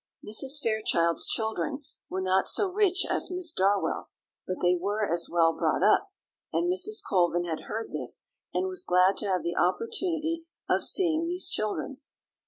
Mrs. Fairchild's children were not so rich as Miss Darwell, but they were as well brought up; and Mrs. Colvin had heard this, and was glad to have the opportunity of seeing these children.